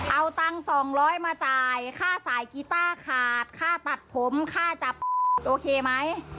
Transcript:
เอาตังค์๒๐๐มาจ่ายค่าสายกีต้าขาดค่าตัดผมค่าจับโอเคไหม